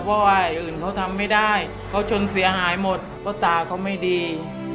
เพราะว่าอื่นเขาทำไม่ได้เขาจนเสียหายหมดเพราะตาเขาไม่ดี